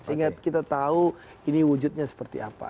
sehingga kita tahu ini wujudnya seperti apa